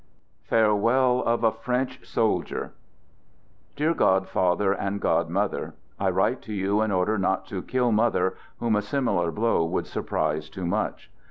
(Farewell of a French Soldier) Dear god father and god mother : I write to you in order not to kill mother whom a similar blow would surprise too much.